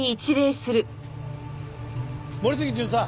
森杉巡査！